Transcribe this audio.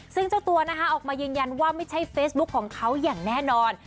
ซึ่งเจ้าตัวนะคะออกมายืนยันว่าไม่ใช่เฟซบุ๊คของเขาอย่างแน่นอน